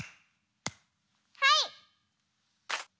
はい！